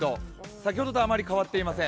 先ほどとあまり変わっていません。